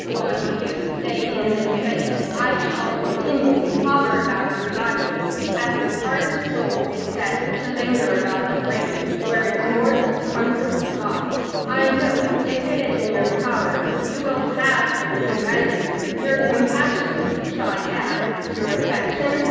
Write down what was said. While you stay in this place, I shall continually hover about your lodgings, as the parted soul is said to linger about the grave where its mortal comfort lies. I know, if it is in your power, you will task your humanity your compassion shall I add, your affection?